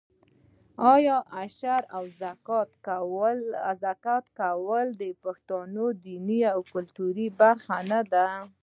آیا عشر او زکات ورکول د پښتنو دیني او کلتوري برخه نه ده؟